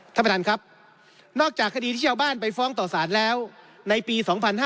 ท่านประธานครับนอกจากคดีที่ชาวบ้านไปฟ้องต่อสารแล้วในปี๒๕๕๙